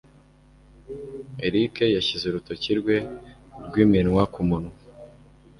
Eric yashyize urutoki rwe rw'iminwa kumunwa.